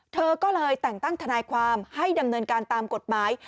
เธอก็เลยแต่งตั้งทนายความให้ดำเนินการตามกฎหมาย